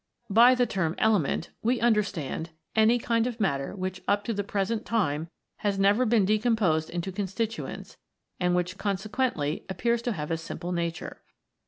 By the term element, we understand any kind of matter which up to the present time has never been decomposed into constituents, and which conse quently appears to have a simple nature.